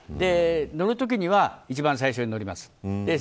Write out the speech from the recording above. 乗るときには一番最初に乗ります。